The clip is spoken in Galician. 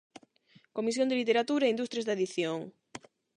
Comisión de Literatura e Industrias da Edición.